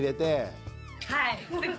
はい。